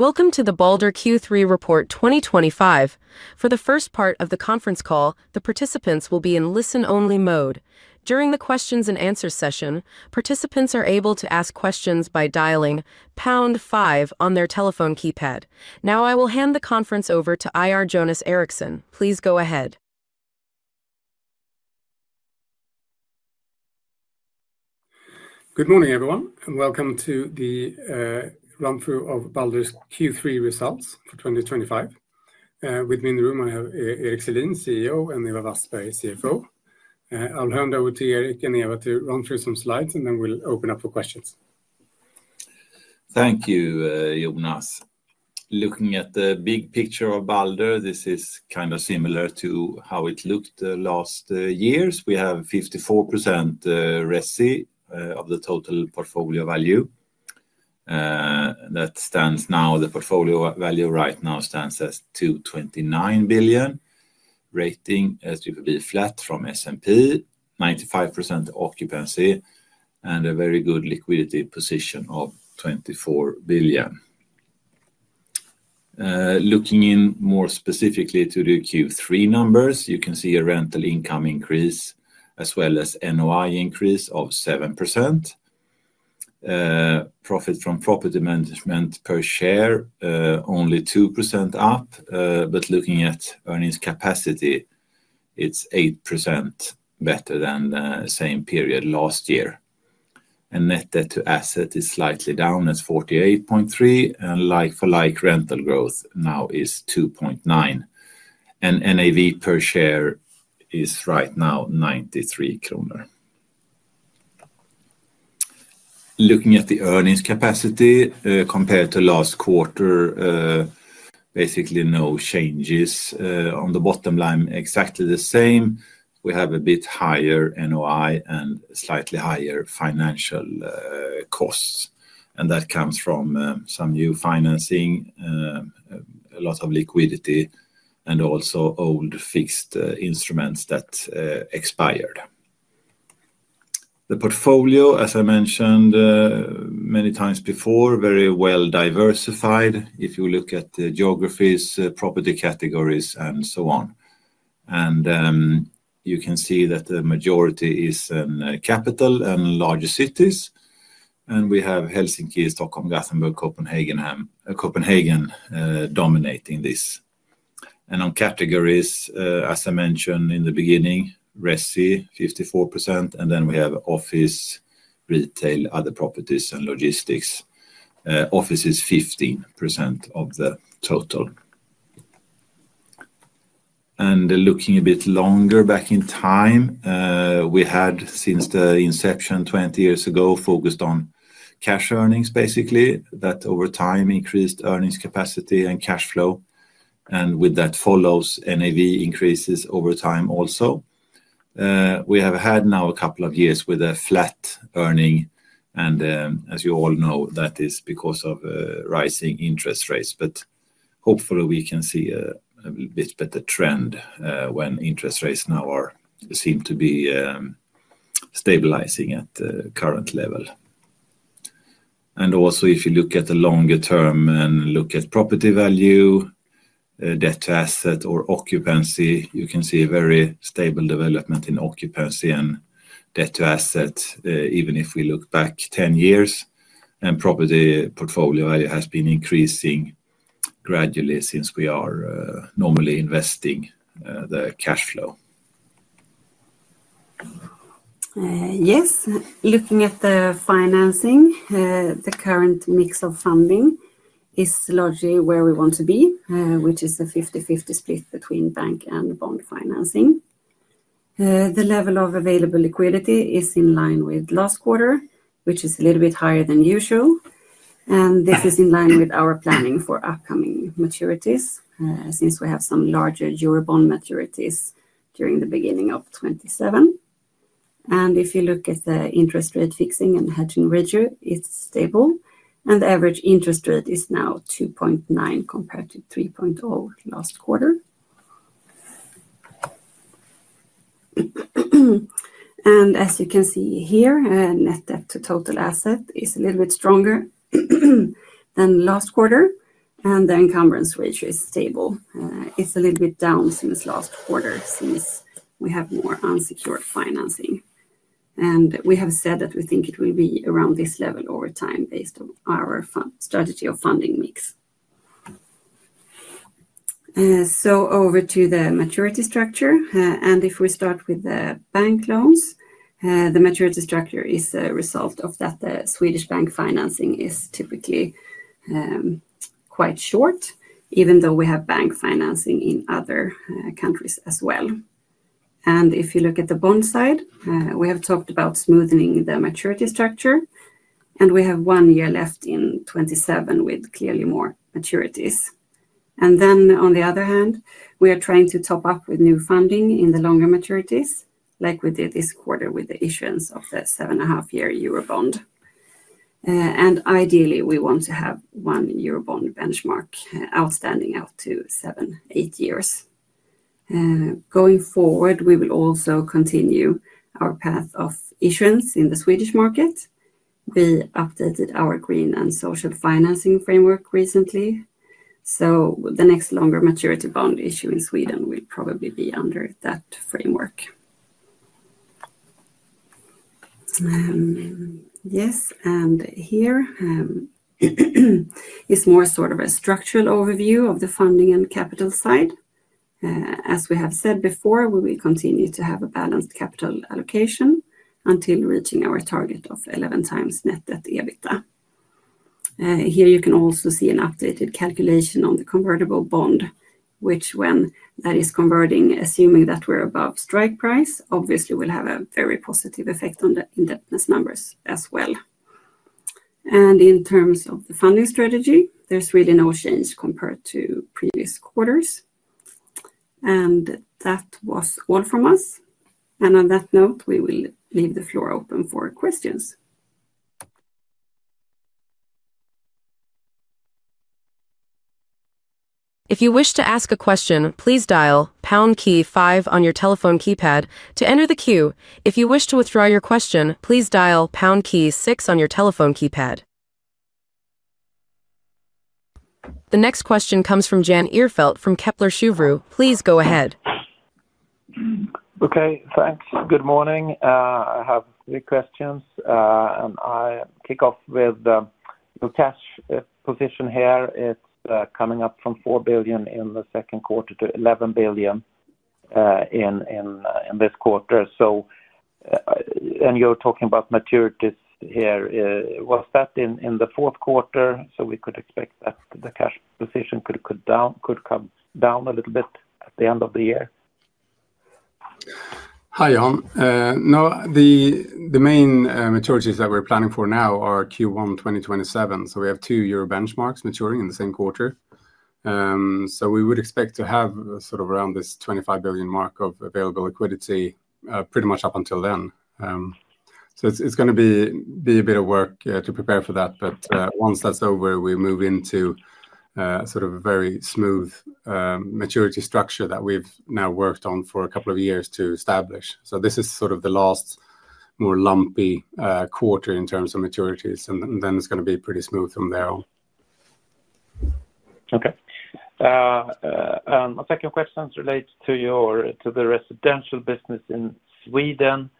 Welcome to the Balder Q3 Report 2025. For the first part of the conference call, the participants will be in listen-only mode. During the questions and answers session, participants are able to ask questions by dialing #5 on their telephone keypad. Now, I will hand the conference over to IR Jonas Erikson. Please go ahead. Good morning, everyone, and welcome to the run-through of Balder's Q3 results for 2025. With me in the room, I have Erik Selin, CEO, and Ewa Wassberg, CFO. I'll hand over to Erik and Ewa to run through some slides, and then we'll open up for questions. Thank you, Jonas. LoOking at the big picture of Balder, this is kind of similar to how it loOked last year. We have 54% residential of the total portfolio value. That stands now, the portfolio value right now stands at 229 billion. Rating has to be flat from S&P, 95% occupancy, and a very good liquidity position of 24 billion. LoOking in more specifically to the Q3 numbers, you can see a rental income increase as well as NOI increase of 7%. Profit from property management per share is only 2% up, but loOking at earnings capacity, it's 8% better than the same period last year. Net debt to assets is slightly down at 48.3%, and like-for-like rental growth now is 2.9%. NAV per share is right now 93 kronor. LoOking at the earnings capacity compared to last quarter, basically no changes. On the bottom line, exactly the same. We have a bit higher NOI and slightly higher financial costs. That comes from some new financing, a lot of liquidity, and also old fixed instruments that expired. The portfolio, as I mentioned many times before, is very well diversified if you loOk at the geographies, property categories, and so on. You can see that the majority is in capital and larger cities. We have Helsinki, Stockholm, Gothenburg, Copenhagen dominating this. On categories, as I mentioned in the beginning, residential 54%, and then we have office, retail, other properties, and logistics. Office is 15% of the total. LoOking a bit longer back in time, we had since the inception 20 years ago focused on cash earnings, basically. That over time increased earnings capacity and cash flow. With that follows NAV increases over time also. We have had now a couple of years with a flat earning, and as you all know, that is because of rising interest rates. Hopefully, we can see a bit better trend when interest rates now seem to be stabilizing at the current level. Also, if you loOk at the longer term and loOk at property value, debt to asset, or occupancy, you can see a very stable development in occupancy and debt to asset, even if we loOk back 10 years. Property portfolio value has been increasing gradually since we are normally investing the cash flow. Yes, loOking at the financing, the current mix of funding is largely where we want to be, which is a 50/50 split between bank and bond financing. The level of available liquidity is in line with last quarter, which is a little bit higher than usual. This is in line with our planning for upcoming maturities since we have some larger Eurobond maturities during the beginning of 2027. If you loOk at the interest rate fixing and hedging ratio, it's stable. The average interest rate is now 2.9% compared to 3.0% last quarter. As you can see here, net debt to total assets is a little bit stronger than last quarter. The encumbrance ratio is stable. It's a little bit down since last quarter since we have more unsecured financing. We have said that we think it will be around this level over time based on our strategy of funding mix. Over to the maturity structure. If we start with the bank loans, the maturity structure is a result of the fact that Swedish bank financing is typically quite short, even though we have bank financing in other countries as well. If you loOk at the bond side, we have talked about smoothening the maturity structure. We have one year left in 2027 with clearly more maturities. On the other hand, we are trying to top up with new funding in the longer maturities, like we did this quarter with the issuance of the seven-and-a-half-year Eurobond. Ideally, we want to have one Eurobond benchmark outstanding out to seven, eight years. Going forward, we will also continue our path of issuance in the Swedish market. We updated our green and social financing framework recently. The next longer maturity bond issue in Sweden will probably be under that framework. Here is more sort of a structural overview of the funding and capital side. As we have said before, we will continue to have a balanced capital allocation until reaching our target of 11x net debt/EBITDA. Here you can also see an updated calculation on the convertible bond, which when that is converting, assuming that we're above strike price, obviously will have a very positive effect on the indebtedness numbers as well. In terms of the funding strategy, there's really no change compared to previous quarters. That was all from us. On that note, we will leave the floor open for questions. If you wish to ask a question, please dial #5 on your telephone keypad to enter the queue. If you wish to withdraw your question, please dial #6 on your telephone keypad. The next question comes from Jan Ihrfelt from Kepler Cheuvreux. Please go ahead. Ok, thanks. Good morning. I have three questions. I kick off with the cash position here. It's coming up from 4 billion in the second quarter to 11 billion in this quarter. You're talking about maturities here. Was that in the fourth quarter? Could we expect that the cash position could come down a little bit at the end of the year? Hi, Jan. No, the main maturities that we're planning for now are Q1 2027. We have two Eurobond benchmarks maturing in the same quarter. We would expect to have sort of around this 25 billion mark of available liquidity pretty much up until then. It's going to be a bit of work to prepare for that. Once that's over, we move into sort of a very smooth maturity structure that we've now worked on for a couple of years to establish. This is sort of the last more lumpy quarter in terms of maturities, and then it's going to be pretty smooth from there on. Ok. My second question relates to the residential business in Sweden.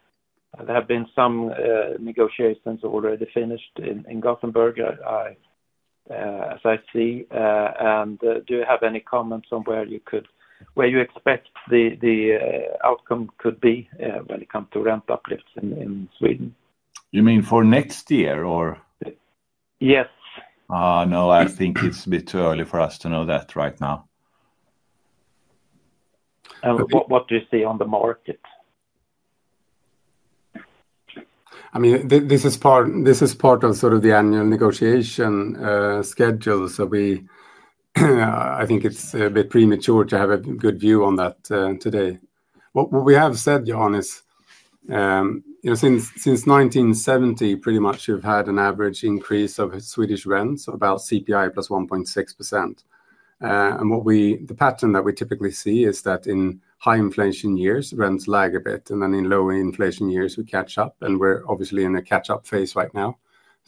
There have been some negotiations already finished in Gothenburg, as I see. Do you have any comments on where you expect the outcome could be when it comes to rent uplifts in Sweden? You mean for next year, or? Yes. No, I think it's a bit too early for us to know that right now. What do you see on the market? I mean, this is part of the annual negotiation schedule. I think it's a bit premature to have a good view on that today. What we have said, Jan, is since 1970, pretty much you've had an average increase of Swedish rents of about CPI plus 1.6%. The pattern that we typically see is that in high-inflation years, rents lag a bit, and then in low-inflation years, we catch up. We're obviously in a catch-up phase right now.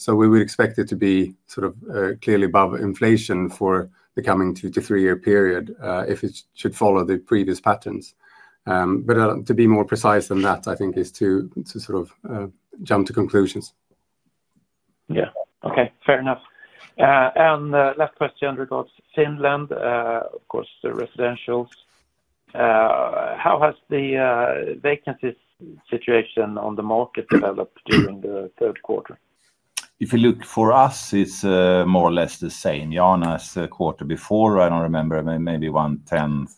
We would expect it to be clearly above inflation for the coming two to three-year period if it should follow the previous patterns. To be more precise than that, I think, is to jump to conclusions. Ok, fair enough. The last question regards Finland, of course, the residentials. How has the vacancy situation on the market developed during the third quarter? If you loOk for us, it's more or less the same, Jan, as the quarter before. I don't remember, maybe one tenth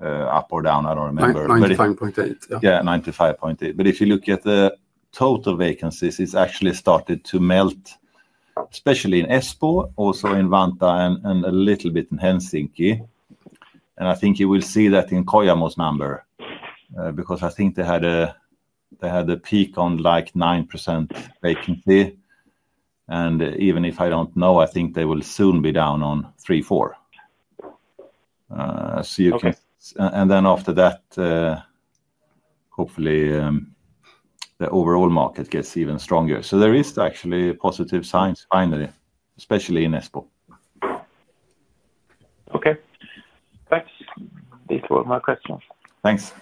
up or down, I don't remember. 95.8. Yeah, 95.8%. If you loOk at the total vacancies, it's actually started to melt, especially in Espoo, also in Vantaa, and a little bit in Helsinki. I think you will see that in Kojamo's number because I think they had a peak on like 9% vacancy. Even if I don't know, I think they will soon be down on 3%, 4%. After that, hopefully, the overall market gets even stronger. There are actually positive signs finally, especially in Espoo. Ok, thanks. These were my questions. Thanks.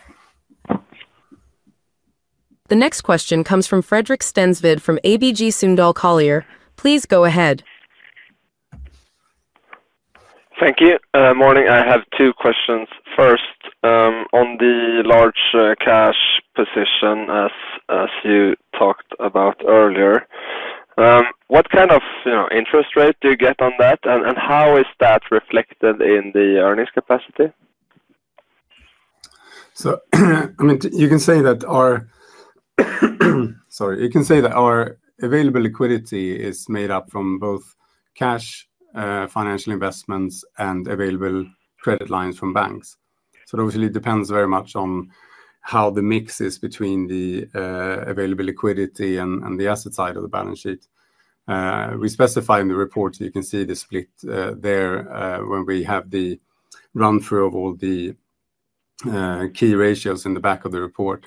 The next question comes from Fredrik Stensved from ABG Sundal Collier. Please go ahead. Thank you. Morning. I have two questions. First, on the large cash position, as you talked about earlier, what kind of interest rate do you get on that? How is that reflected in the earnings capacity? You can say that our available liquidity is made up from both cash, financial investments, and available credit lines from banks. It obviously depends very much on how the mix is between the available liquidity and the asset side of the balance sheet. We specify in the report, so you can see the split there when we have the run-through of all the key ratios in the back of the report.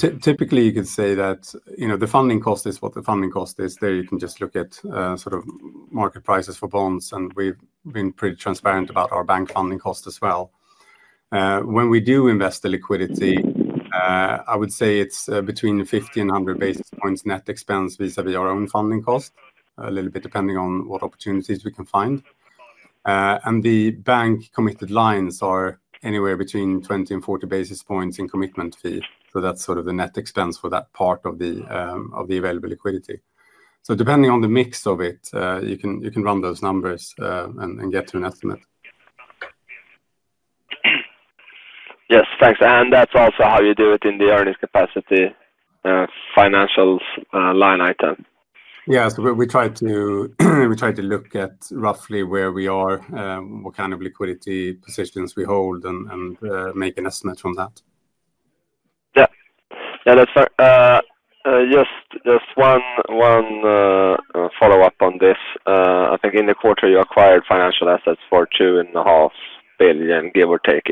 Typically, you could say that the funding cost is what the funding cost is. You can just loOk at sort of market prices for bonds. We've been pretty transparent about our bank funding costs as well. When we do invest the liquidity, I would say it's between 50 basis points and 100 basis points net expense vis-à-vis our own funding cost, a little bit depending on what opportunities we can find. The bank committed lines are anywhere between 20 basis points-40 basis points in commitment fee. That's sort of the net expense for that part of the available liquidity. Depending on the mix of it, you can run those numbers and get to an estimate. Yes, thanks. That's also how you do it in the earnings capacity financials line item? Yes, we try to loOk at roughly where we are, what kind of liquidity positions we hold, and make an estimate from that. Yeah, that's fair. Just one follow-up on this. I think in the quarter, you acquired financial assets for 2.5 billion, give or take.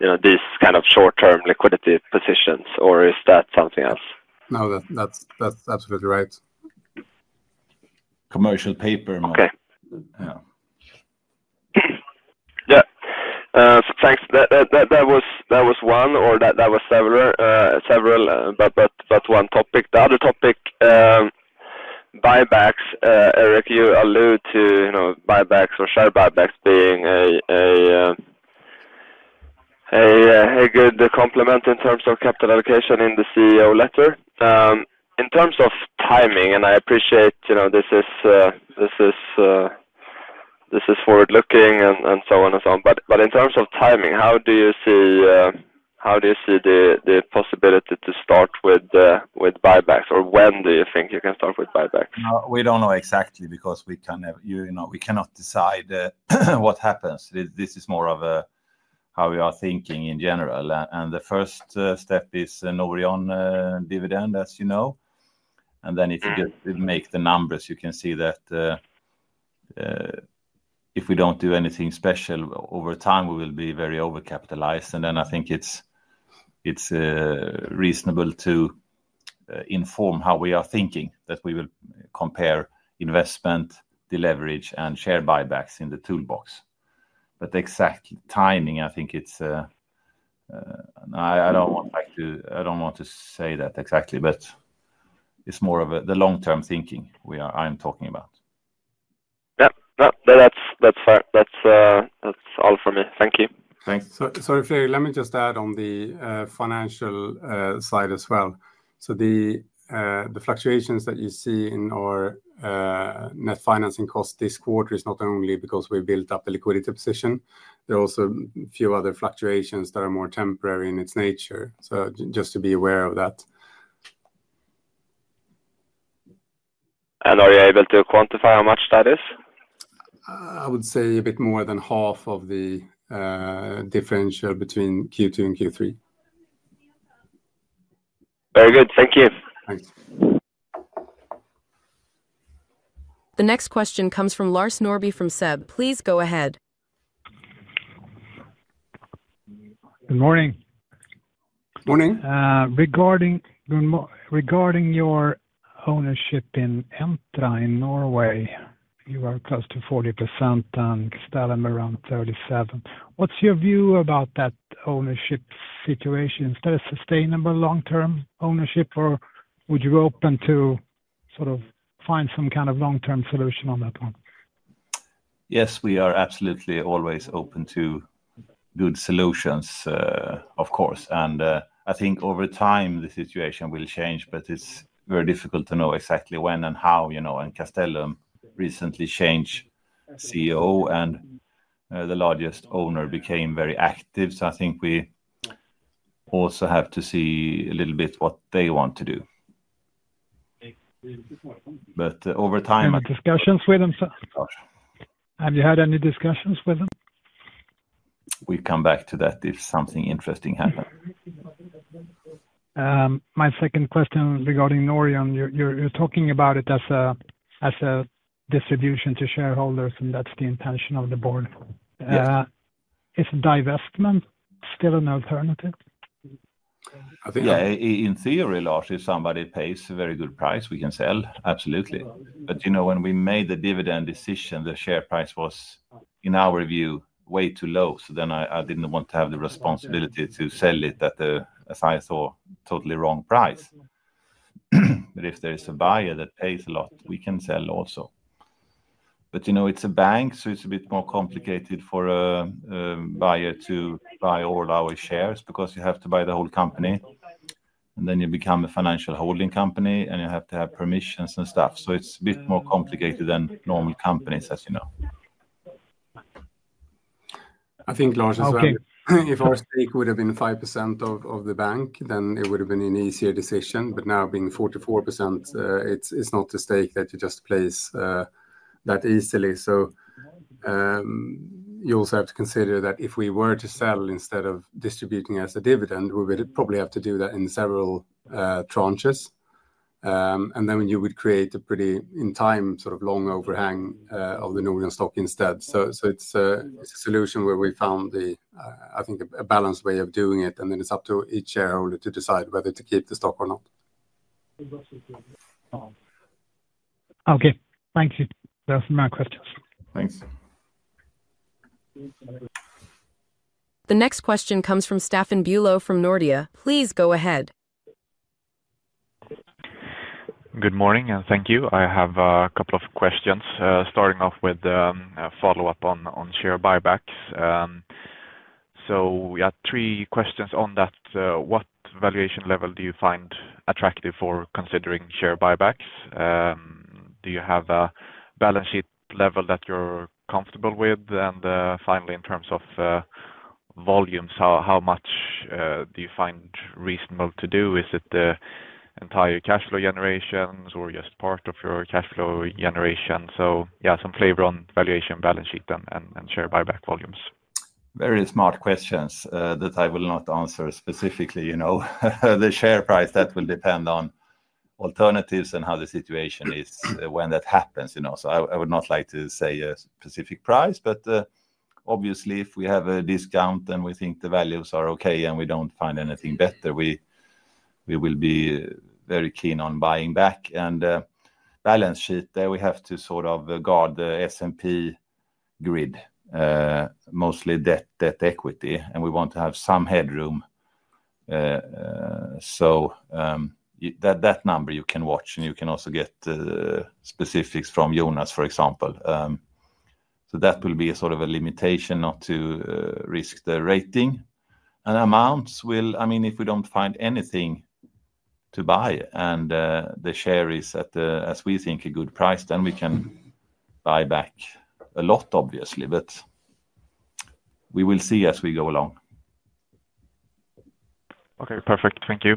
Is that these kind of short-term liquidity positions, or is that something else? No, that's absolutely right. Commercial paper money. Ok. Yeah. Yeah, thanks. That was one or that was several, but one topic. The other topic, buybacks. Erik, you alluded to buybacks or share buybacks being a good complement in terms of capital allocation in the CEO letter. In terms of timing, and I appreciate this is forward loOking and so on. In terms of timing, how do you see the possibility to start with buybacks? Or when do you think you can start with buybacks? We don't know exactly because we cannot decide what happens. This is more of how we are thinking in general. The first step is Norion dividend, as you know. If you just make the numbers, you can see that if we don't do anything special over time, we will be very over-capitalized. I think it's reasonable to inform how we are thinking that we will compare investment, deleveraging, and share buybacks in the toolbox. The exact timing, I think it's I don't want to say that exactly. It's more of the long-term thinking I'm talking about. Yeah, that's fair. That's all for me. Thank you. Thanks. Sorry, Fredrik, let me just add on the financial side as well. The fluctuations that you see in our net financing cost this quarter are not only because we built up the liquidity position. There are also a few other fluctuations that are more temporary in its nature. Just to be aware of that. Are you able to quantify how much that is? I would say a bit more than half of the differential between Q2 and Q3. Very good. Thank you. Thanks. The next question comes from Lars Norrby from SEB. Please go ahead. Good morning. Morning. Regarding your ownership in Entra in Norway, you are close to 40% and Kristallen around 37%. What's your view about that ownership situation? Is that a sustainable long-term ownership? Would you be open to sort of find some kind of long-term solution on that one? Yes, we are absolutely always open to good solutions, of course. I think over time, the situation will change. It's very difficult to know exactly when and how. Kristallen recently changed CEO, and the largest owner became very active. I think we also have to see a little bit what they want to do over time. Any discussions with them? Have you had any discussions with them? We come back to that if something interesting happens. My second question regarding Norion, you're talking about it as a distribution to shareholders. That's the intention of the board. Yeah. Is divestment still an alternative? Yeah, in theory, Lars, if somebody pays a very good price, we can sell. Absolutely. When we made the dividend decision, the share price was, in our view, way too low. I didn't want to have the responsibility to sell it at the, as I thought, totally wrong price. If there is a buyer that pays a lot, we can sell also. You know it's a bank. It's a bit more complicated for a buyer to buy all our shares because you have to buy the whole company. You become a financial holding company, and you have to have permissions and stuff. It's a bit more complicated than normal companies, as you know. I think Lars as well. Ok. If our stake would have been 5% of the bank, then it would have been an easier decision. Now being 44%, it's not a stake that you just place that easily. You also have to consider that if we were to sell instead of distributing as a dividend, we would probably have to do that in several tranches. You would create a pretty in-time sort of long overhang of the Norion stock instead. It's a solution where we found, I think, a balanced way of doing it. It's up to each shareholder to decide whether to keep the stock or not. Ok, thank you. Those are my questions. Thanks. The next question comes from Stefan Buhlo from Nordea. Please go ahead. Good morning. Thank you. I have a couple of questions, starting off with a follow-up on share buybacks. We had three questions on that. What valuation level do you find attractive for considering share buybacks? Do you have a balance sheet level that you're comfortable with? Finally, in terms of volumes, how much do you find reasonable to do? Is it the entire cash flow generation or just part of your cash flow generation? Some flavor on valuation, balance sheet, and share buyback volumes. Very smart questions that I will not answer specifically. You know the share price, that will depend on alternatives and how the situation is when that happens. I would not like to say a specific price. Obviously, if we have a discount and we think the values are Ok and we don't find anything better, we will be very keen on buying back. Balance sheet, we have to sort of guard the S&P grid, mostly debt equity. We want to have some headroom. That number, you can watch. You can also get specifics from Jonas, for example. That will be sort of a limitation not to risk the rating. Amounts will, I mean, if we don't find anything to buy and the share is at, as we think, a good price, then we can buy back a lot, obviously. We will see as we go along. Ok, perfect. Thank you.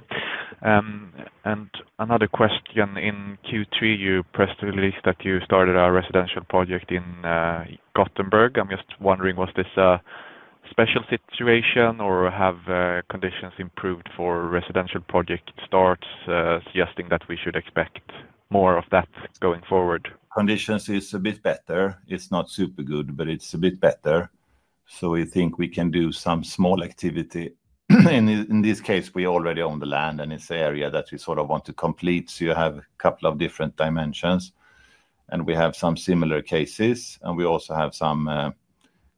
Another question. In Q3, you pressed the release that you started a residential project in Gothenburg. I'm just wondering, was this a special situation? Have conditions improved for residential project starts suggesting that we should expect more of that going forward? Conditions are a bit better. It's not super good, but it's a bit better. We think we can do some small activity. In this case, we already own the land, and it's an area that we sort of want to complete. You have a couple of different dimensions. We have some similar cases, and we also have some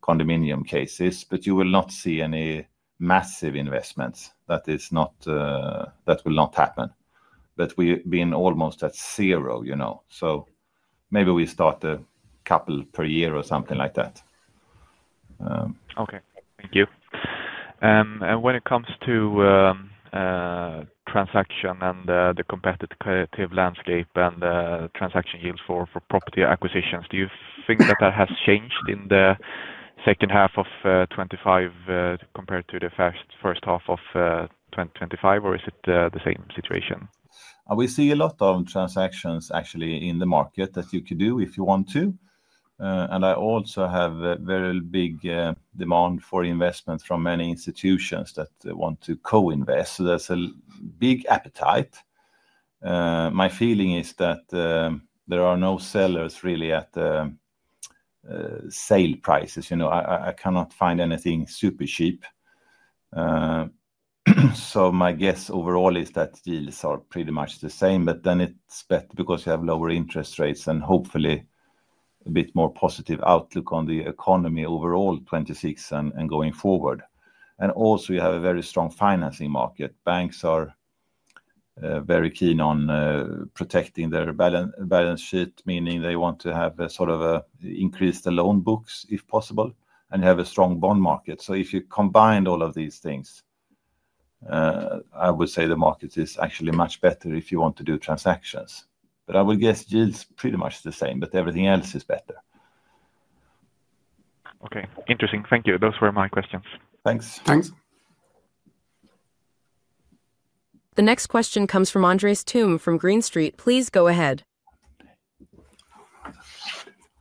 condominium cases. You will not see any massive investments. That will not happen. We've been almost at zero, so maybe we start a couple per year or something like that. Thank you. When it comes to transactions and the competitive landscape and the transaction yields for property acquisitions, do you think that has changed in the second half of 2025 compared to the first half of 2025, or is it the same situation? We see a lot of transactions, actually, in the market that you could do if you want to. I also have a very big demand for investment from many institutions that want to co-invest. There's a big appetite. My feeling is that there are no sellers really at the sale prices. I cannot find anything super cheap. My guess overall is that yields are pretty much the same. It is better because you have lower interest rates and hopefully a bit more positive outloOk on the economy overall in 2026 and going forward. You also have a very strong financing market. Banks are very keen on protecting their balance sheet, meaning they want to have sort of increased loan boOks if possible. You have a strong bond market. If you combine all of these things, I would say the market is actually much better if you want to do transactions. I would guess yields are pretty much the same, but everything else is better. Ok, interesting. Thank you. Those were my questions. Thanks. Thanks. The next question comes from Andreas Thum from Green Street. Please go ahead.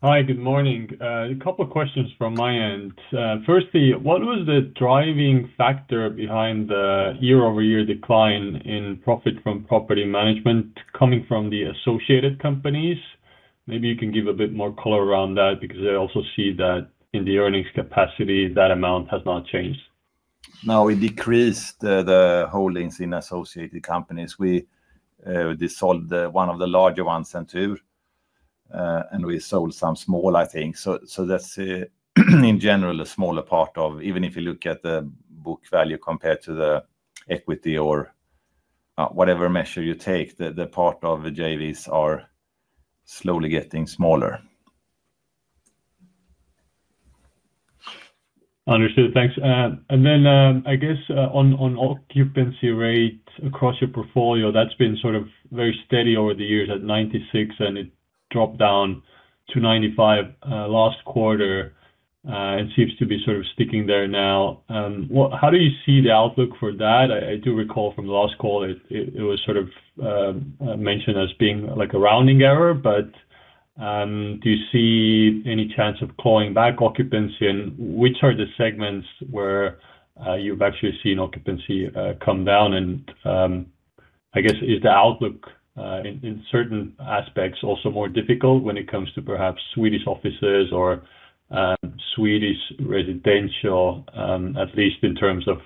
Hi, good morning. A couple of questions from my end. Firstly, what was the driving factor behind the year-over-year decline in profit from property management coming from the associated companies? Maybe you can give a bit more color around that because I also see that in the earnings capacity, that amount has not changed. No, we decreased the holdings in associated companies. We sold one of the larger ones, Centur, and we sold some small, I think. That's in general a smaller part of, even if you loOk at the boOk value compared to the equity or whatever measure you take, the part of JVs are slowly getting smaller. Understood. Thanks. I guess on occupancy rate across your portfolio, that's been sort of very steady over the years at 96%. It dropped down to 95% last quarter and seems to be sort of sticking there now. How do you see the outloOk for that? I do recall from the last call it was sort of mentioned as being like a rounding error. Do you see any chance of clawing back occupancy? Which are the segments where you've actually seen occupancy come down? I guess is the outloOk in certain aspects also more difficult when it comes to perhaps Swedish offices or Swedish residential, at least in terms of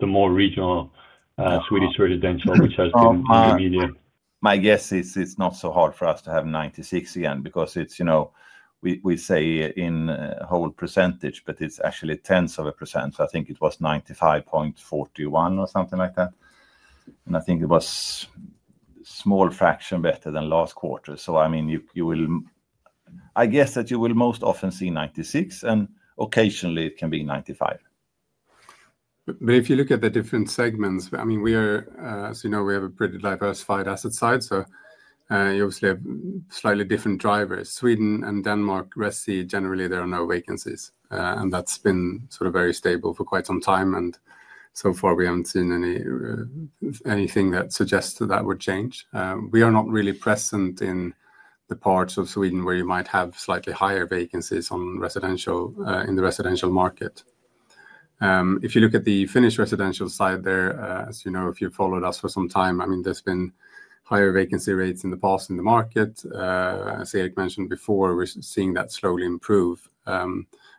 the more regional Swedish residential, which has been intermediate? My guess is it's not so hard for us to have 96% again because it's, you know, we say in whole percent, but it's actually tenths of a percent. I think it was 95.41% or something like that. I think it was a small fraction better than last quarter. I guess that you will most often see 96%, and occasionally, it can be 95%. If you loOk at the different segments, I mean, as you know, we have a pretty diversified asset side. You obviously have slightly different drivers. Sweden and Denmark, generally, there are no vacancies. That's been sort of very stable for quite some time. So far, we haven't seen anything that suggests that would change. We are not really present in the parts of Sweden where you might have slightly higher vacancies in the residential market. If you loOk at the Finnish residential side, as you know, if you've followed us for some time, there's been higher vacancy rates in the past in the market. As Erik mentioned before, we're seeing that slowly improve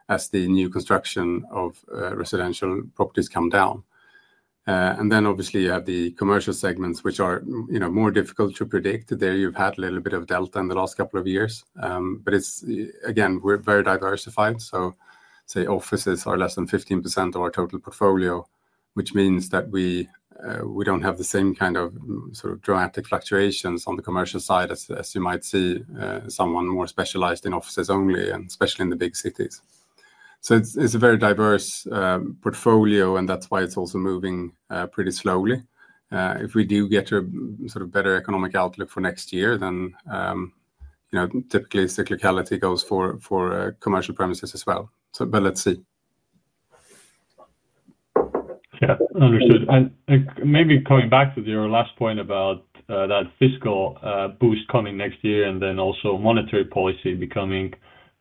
as the new construction of residential properties comes down. Obviously, you have the commercial segments, which are more difficult to predict. There, you've had a little bit of delta in the last couple of years. Again, we're very diversified. Offices are less than 15% of our total portfolio, which means that we don't have the same kind of sort of dramatic fluctuations on the commercial side as you might see in someone more specialized in offices only, especially in the big cities. It's a very diverse portfolio. That's why it's also moving pretty slowly. If we do get a sort of better economic outloOk for next year, then typically cyclicality goes for commercial premises as well. Let's see. Yeah, understood. Maybe coming back to your last point about that fiscal boost coming next year, and also monetary policy becoming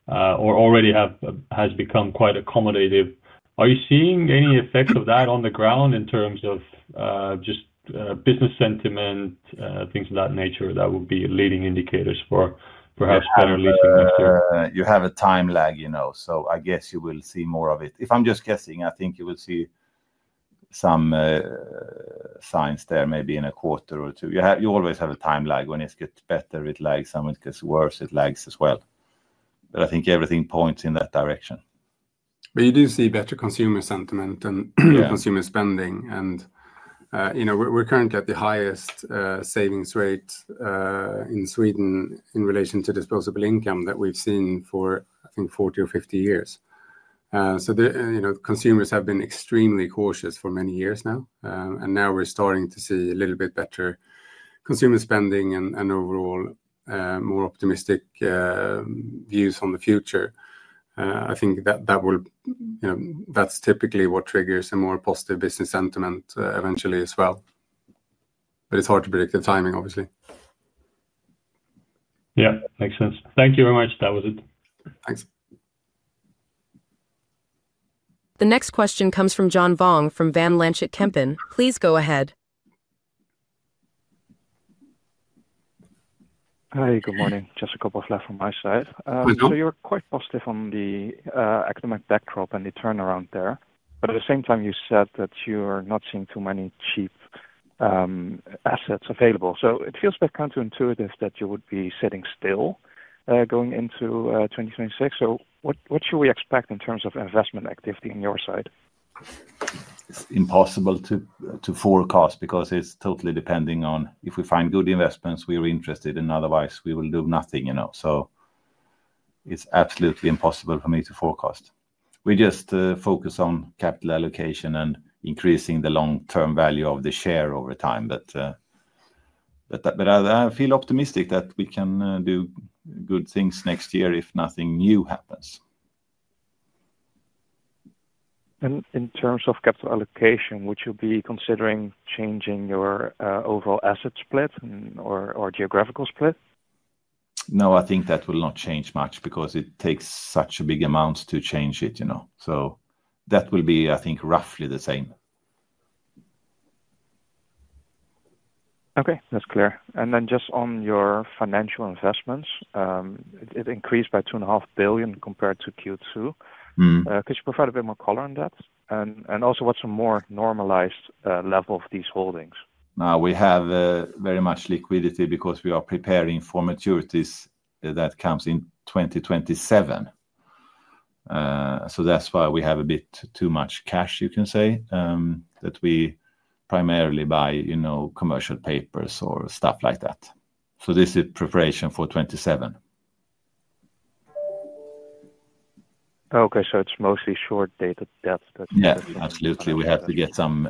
or already has become quite accommodative, are you seeing any effect of that on the ground in terms of just business sentiment, things of that nature that would be leading indicators for perhaps better leasing next year? You have a time lag, you know. I guess you will see more of it. If I'm just guessing, I think you will see some signs there maybe in a quarter or two. You always have a time lag. When it gets better, it lags, and when it gets worse, it lags as well. I think everything points in that direction. You do see better consumer sentiment and consumer spending. We're currently at the highest savings rate in Sweden in relation to disposable income that we've seen for, I think, 40 years or 50 years. Consumers have been extremely cautious for many years now. Now we're starting to see a little bit better consumer spending and overall more optimistic views on the future. I think that's typically what triggers a more positive business sentiment eventually as well. It's hard to predict the timing, obviously. Yeah, makes sense. Thank you very much. That was it. Thanks. The next question comes from John Vong from Van Lanschot Kempen. Please go ahead. Hi, good morning. Just a couple of slides from my side. You're quite positive on the economic backdrop and the turnaround there. At the same time, you said that you're not seeing too many cheap assets available. It feels a bit counterintuitive that you would be sitting still going into 2026. What should we expect in terms of investment activity on your side? It's impossible to forecast because it's totally depending on if we find good investments, we are interested. Otherwise, we will do nothing. It's absolutely impossible for me to forecast. We just focus on capital allocation and increasing the long-term value of the share over time. I feel optimistic that we can do good things next year if nothing new happens. In terms of capital allocation, would you be considering changing your overall asset split or geographical split? No, I think that will not change much because it takes such big amounts to change it. That will be, I think, roughly the same. Ok, that's clear. Just on your financial investments, it increased by 2.5 billion compared to Q2. Could you provide a bit more color on that? Also, what's a more normalized level of these holdings? Now, we have very much liquidity because we are preparing for maturities that come in 2027. That's why we have a bit too much cash, you can say, that we primarily buy commercial paper or stuff like that. This is preparation for 2027. Ok, so it's mostly short-dated debts that you have? Yeah, absolutely. We have to get some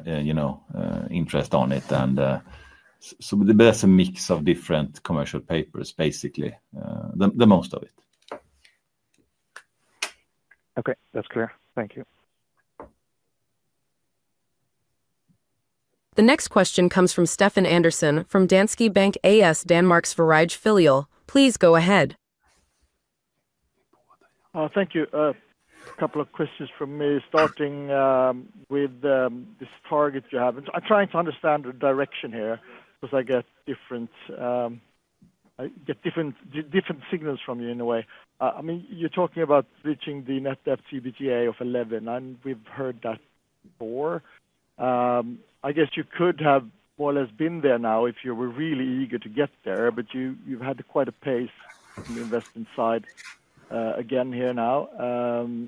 interest on it. That's a mix of different commercial papers, basically most of it. Ok, that's clear. Thank you. The next question comes from Stefan Andersen from Danske Bank AS. Please go ahead. Thank you. A couple of questions from me, starting with this target you have. I'm trying to understand the direction here because I get different signals from you in a way. I mean, you're talking about reaching the net debt CBGA of 11. We've heard that before. I guess you could have more or less been there now if you were really eager to get there. You've had quite a pace from the investment side again here now,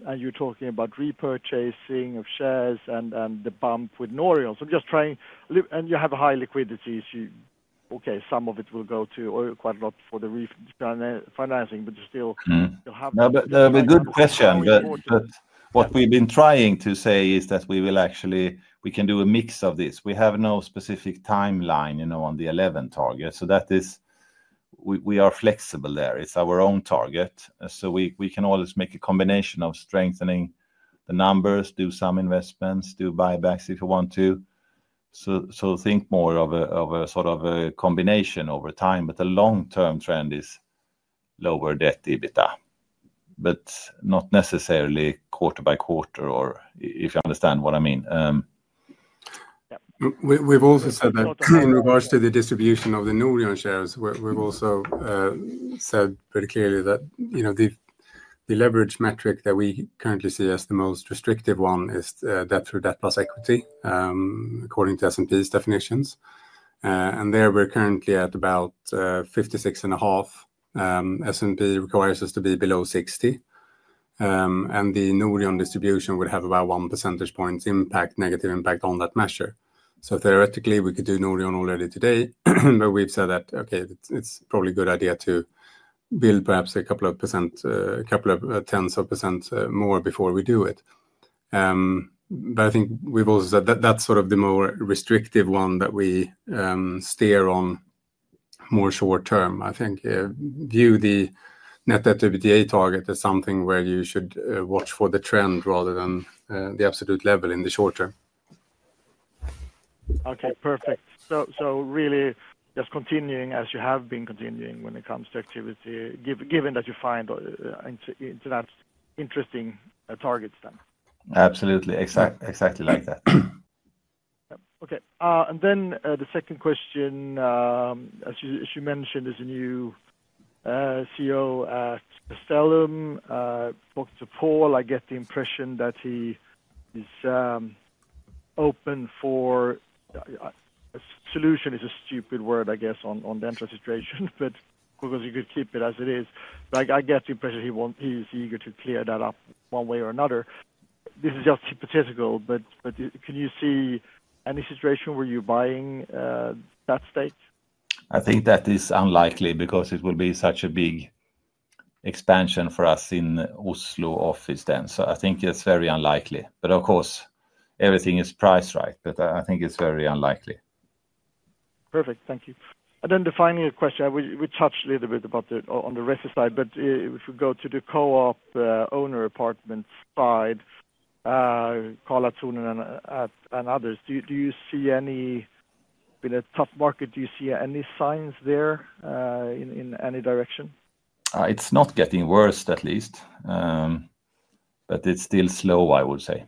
and you're talking about repurchasing of shares and the bump with Norion. I'm just trying, and you have a high liquidity. Some of it will go to quite a lot for the refinancing, but you still have that. That's a good question. What we've been trying to say is that we can do a mix of this. We have no specific timeline on the 11 target. We are flexible there. It's our own target, so we can always make a combination of strengthening the numbers, do some investments, do buybacks if you want to. Think more of a sort of a combination over time. The long-term trend is lower debt/EBITDA, but not necessarily quarter by quarter, if you understand what I mean. We've also said that in regards to the distribution of the Norion shares, we've also said pretty clearly that the leverage metric that we currently see as the most restrictive one is debt through debt plus equity, according to S&P's definitions. There, we're currently at about 56.5%. S&P requires us to be below 60%. The Norion distribution would have about 1% negative impact on that measure. Theoretically, we could do Norion already today. We've said that it's probably a good idea to build perhaps a couple of percent, a couple of tenths of a percent more before we do it. I think we've also said that that's sort of the more restrictive one that we steer on more short term. I think view the net debt/EBITDA target as something where you should watch for the trend rather than the absolute level in the short term. Ok, perfect. Just continuing as you have been continuing when it comes to activity, given that you find into that interesting targets then. Absolutely, exactly like that. Ok. The second question, as you mentioned, is a new CEO at Kristallen. I spOke to Paul. I get the impression that he is open for a solution is a stupid word, I guess, on the Entra situation. Of course, you could keep it as it is. I get the impression he is eager to clear that up one way or another. This is just hypothetical. Can you see any situation where you're buying that stake? I think that is unlikely because it will be such a big expansion for us in the Oslo office. I think it's very unlikely. Of course, everything is priced right, but I think it's very unlikely. Perfect, thank you. The final question, we touched a little bit on the residence side. If we go to the co-op owner apartment side, Carla Thunen and others, do you see any—it has been a tough market. Do you see any signs there in any direction? It's not getting worse, at least. It's still slow, I would say.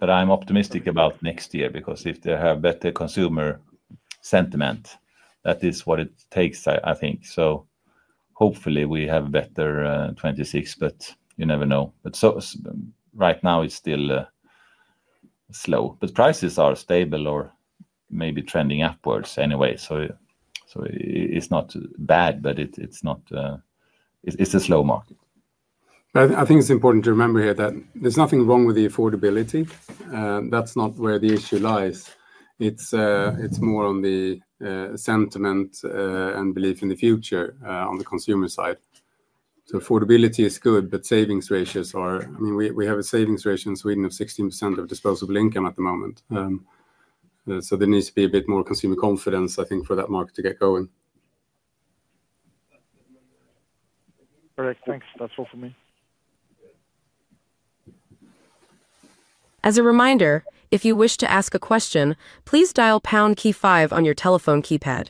I'm optimistic about next year because if they have better consumer sentiment, that is what it takes, I think. Hopefully, we have a better 2026. You never know. Right now, it's still slow. Prices are stable or maybe trending upwards anyway. It's not bad, but it's a slow market. I think it's important to remember here that there's nothing wrong with the affordability. That's not where the issue lies. It's more on the sentiment and belief in the future on the consumer side. Affordability is good. Savings ratios are, I mean, we have a savings ratio in Sweden of 16% of disposable income at the moment. There needs to be a bit more consumer confidence, I think, for that market to get going. All right, thanks. That's all for me. As a reminder, if you wish to ask a question, please dial #5 on your telephone keypad.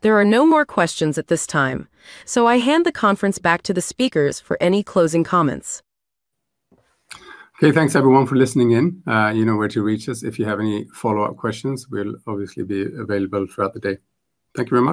There are no more questions at this time. I hand the conference back to the speakers for any closing comments. Ok, thanks, everyone, for listening in. You know where to reach us. If you have any follow-up questions, we'll obviously be available throughout the day. Thank you very much.